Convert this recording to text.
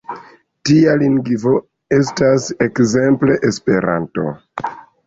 Tia lingvo estas ekzemple Esperanto.